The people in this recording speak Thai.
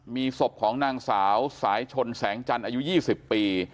มีศพของนางสาวสายชนแสงจันทร์อายุ๒๐ปี